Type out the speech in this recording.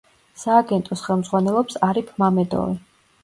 სააგენტოს ხელმძღვანელობს არიფ მამედოვი.